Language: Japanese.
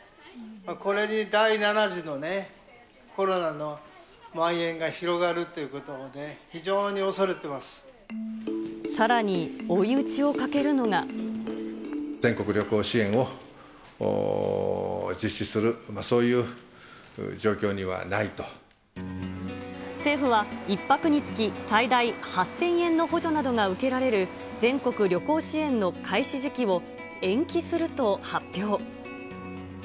これに第７次のね、コロナのまん延が広がるということは、さらに、追い打ちをかけるの全国旅行支援を実施する、政府は、１泊につき最大８０００円の補助などが受けられる、全国旅行支援の開始時期を、延期すると発表。